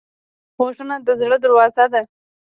غوږونه د زړه دروازه ده